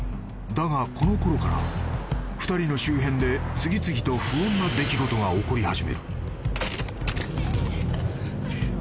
［だがこのころから２人の周辺で次々と不穏な出来事が起こり始める］